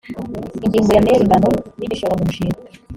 ingingo ya mer ingano y igishoro mumushinga